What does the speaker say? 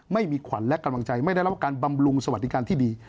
ไม่มีขวัญและกำลังใจไม่ได้รับการบำรุงสวัสดิการที่ดี